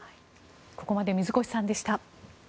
ここまで水越さんでした。